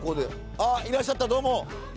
あいらっしゃったどうも。